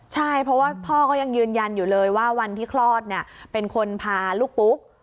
ใช่เพราะว่าพ่อก็ยังยืนยันอยู่เลยว่าวันที่คลอดเนี่ยเป็นคนพาลูกปุ๊ก